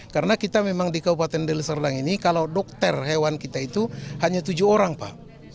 karena kita memang di kabupaten deli serdang ini kalau dokter hewan kita itu hanya tujuh orang pak